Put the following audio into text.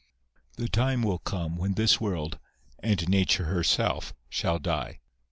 The time will come when this world, and Nature herself, shall die.